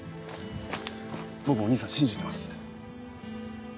僕はお兄さんを信じてます。